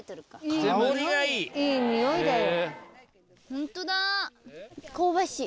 いい匂いだよ。